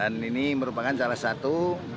dan ini merupakan salah satu